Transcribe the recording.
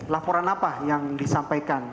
laporan apa yang disampaikan